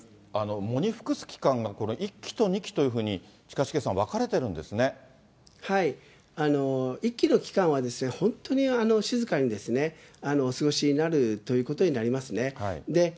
喪に服す期間が、１期と２期というふうに、近重さん、１期の期間は、本当に静かにお過ごしになるということになりますね。